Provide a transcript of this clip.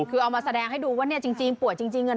คือเอามาแสดงให้ดูว่าจริงป่วยจริง